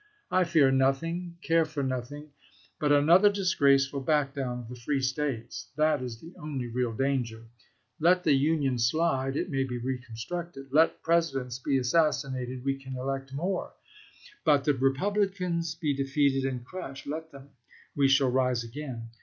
.. I fear nothing, care for nothing, but another disgraceful back down of the free States. That is the only real danger. Let the Union slide — it may be reconstructed ; let Presidents be assassinated, we can elect more; let the Republicans be defeated and crushed, we shall rise again.